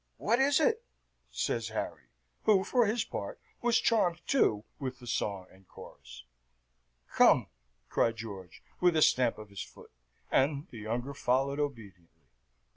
"What is it?" says Harry, who, for his part, was charmed, too, with the song and chorus. "Come," cried George, with a stamp of his foot, and the younger followed obediently.